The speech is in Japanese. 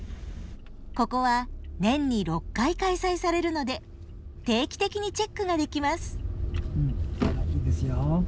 ここは年に６回開催されるので定期的にチェックができます。